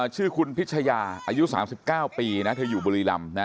ชื่อคุณพิชยาอายุ๓๙ปีนะเธออยู่บุรีรำนะ